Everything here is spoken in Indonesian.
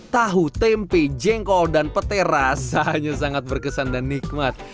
tahu tempe jengkol dan petai rasanya sangat berkesan dan nikmat